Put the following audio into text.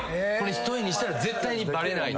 一重にしたら絶対にバレない。